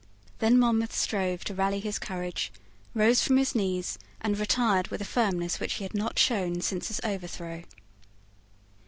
Then Monmouth strove to rally his courage, rose from his knees, and retired with a firmness which he had not shown since his overthrow.